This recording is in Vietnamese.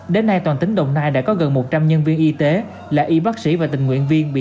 đến nay toàn tỉnh đồng nai đã có gần một trăm linh nhân viên y tế là y bác sĩ và tình nguyện viên